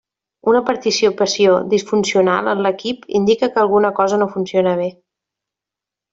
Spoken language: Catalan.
Una participació disfuncional en l’equip indica que alguna cosa no funciona bé.